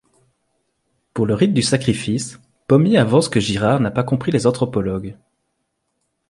Pour le rite du sacrifice, Pommier avance que Girard n’a pas compris les anthropologues.